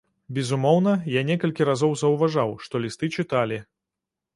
Безумоўна, я некалькі разоў заўважаў, што лісты чыталі.